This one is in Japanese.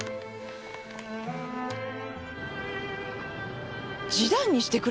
示談にしてくれ！？